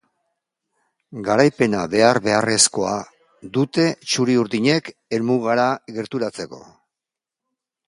Garaipena behar-beharrezkoa dute txuri-urdinek helmugara gerturatzeko.